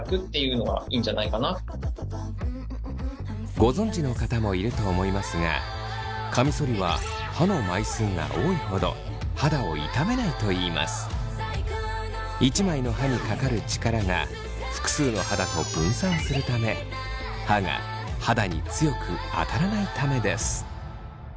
ご存じの方もいると思いますがカミソリは１枚の刃にかかる力が複数の刃だと分散するため刃が肌に強く当たらないためです。